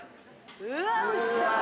・うわおいしそう！